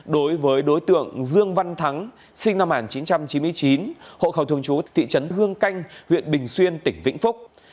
đối với đối tượng dương văn thắng sinh năm một nghìn chín trăm chín mươi chín hộ khẩu thường chú thị trấn hương canh huyện bình xuyên tỉnh vĩnh phúc